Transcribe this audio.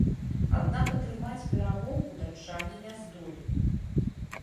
Аднак атрымаць перамогу датчане не здолелі.